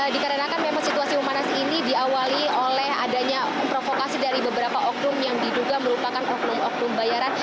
dikarenakan memang situasi memanas ini diawali oleh adanya provokasi dari beberapa oknum yang diduga merupakan oknum oknum bayaran